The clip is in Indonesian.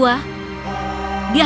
dia masih berkembang